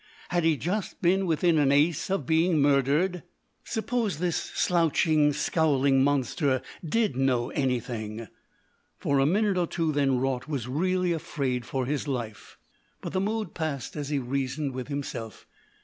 Had he just been within an ace of being murdered? Suppose this slouching, scowling monster did know anything? For a minute or two then Raut was really afraid for his life, but the mood passed as he reasoned with himself.